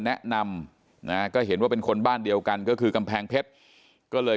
แนะนำนะก็เห็นว่าเป็นคนบ้านเดียวกันก็คือกำแพงเพชรก็เลย